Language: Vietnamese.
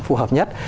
phù hợp nhất